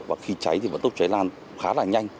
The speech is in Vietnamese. và khi cháy thì vận tốc cháy lan khá là nhanh